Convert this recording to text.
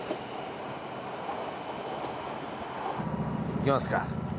いきますか。